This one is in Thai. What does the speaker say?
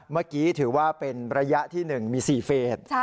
เมื่อกี้ถือว่าเป็นระยะที่๑มี๔เฟส